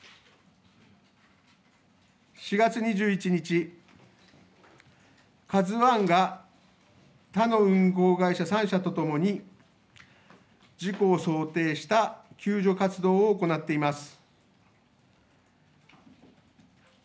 ４月２１日、ＫＡＺＵＩが他の運航会社３社とともに事故を想定した救助活動を行っています。